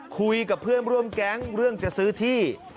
คุยกับเพื่อนร่วมแก๊งเรื่องจะซื้อที่